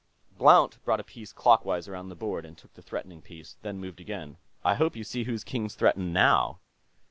Blount brought a piece clockwise around the board and took the threatening piece, then moved again. "I hope you see whose king's threatened, now."